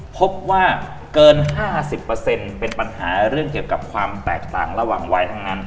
พบว่าเกิน๕๐เป็นปัญหาเรื่องเกี่ยวกับความแตกต่างระหว่างวัยทั้งนั้น